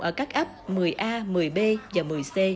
ở các ấp một mươi a một mươi b và một mươi c